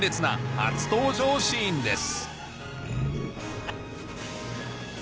初登場シーンです